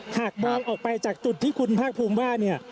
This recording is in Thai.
หากมองออกไปจากจุดที่คุณภาคภูมิว่าเนี่ย